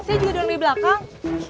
saya juga didorong dari belakang